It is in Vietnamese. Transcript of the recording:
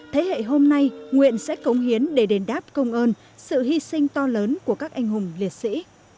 thế hệ hôm nay nguyện sẽ cống hiến để đền đáp công ơn sự hy sinh to lớn của các anh hùng liệt sĩ